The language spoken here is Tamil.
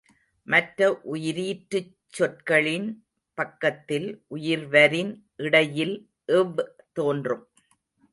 மற்ற உயிரீற்றுச் சொற்களின் பக்கத்தில் உயிர்வரின் இடையில் வ் தோன்றும்.